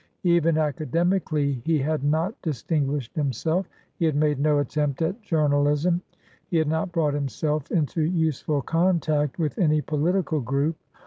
Even academically he had not distinguished himself; he had made no attempt at journalism; he had not brought himself into useful contact with any political group.